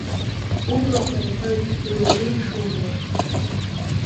Ублақәа ирҳәоит, гәырҩа дук шумоу.